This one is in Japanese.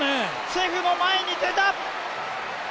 チェフの前に出た！